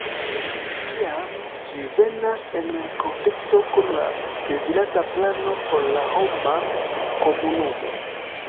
Tiam, ĝi venas en konflikto kun la dezirata plano por la homa komunumo.